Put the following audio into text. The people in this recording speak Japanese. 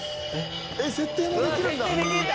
設定もできるんだ！